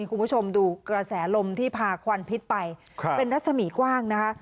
คุณผู้ชมดูกระแสลมที่พาควันพิษไปเป็นรัศมีกว้างนะคะ